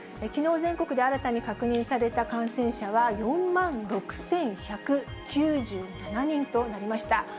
きのう、全国で新たに確認された感染者は４万６１９７人となりました。